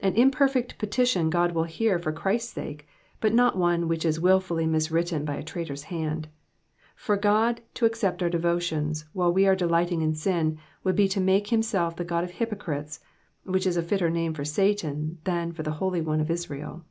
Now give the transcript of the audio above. An imperfect petition Gud will hear for Christ's sake, but not one which is wilfully mis written by a traitor's hand. For God to accept our devotions, while we are delighting in sin, would be to make himself the God of hypocrites, which is a fitter name for Satan than for the Holy One of Israel.